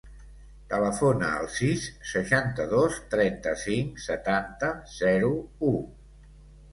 Telefona al sis, seixanta-dos, trenta-cinc, setanta, zero, u.